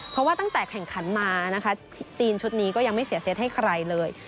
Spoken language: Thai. เพราะว่าตั้งแต่แข่งขันมานะคะจีนชุดนี้ก็ยังไม่เสียเซตให้ใครเลย